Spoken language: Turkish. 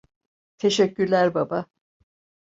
Teşekkürler baba.